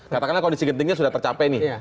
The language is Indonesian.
katakanlah kondisi gentingnya sudah tercapai nih